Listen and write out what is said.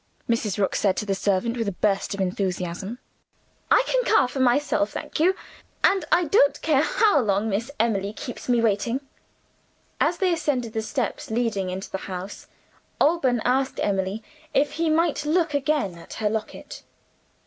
Mrs. Rook said to the servant, with a burst of enthusiasm. "I can carve for myself, thank you; and I don't care how long Miss Emily keeps me waiting." As they ascended the steps leading into the house, Alban asked Emily if he might look again at her locket.